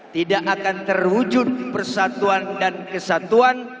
tidak akan terwujud persatuan dan kesatuan